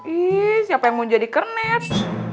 ih siapa yang mau jadi kernet